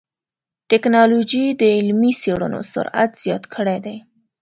ټکنالوجي د علمي څېړنو سرعت زیات کړی دی.